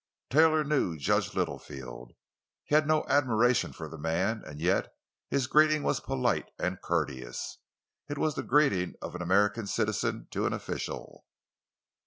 Taylor knew Judge Littlefield. He had no admiration for the man, and yet his greeting was polite and courteous—it was the greeting of an American citizen to an official.